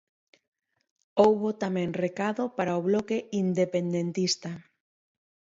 Houbo tamén recado para o bloque independentista.